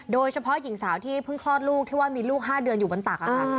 โดยเฉพาะหญิงสาวที่เพิ่งคลอดลูกที่ว่ามีลูก๕เดือนอยู่บนตัก